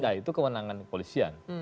nah itu kewenangan polisian